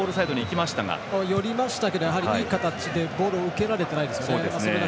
寄りましたけどいい形でボールを受けられていないですね。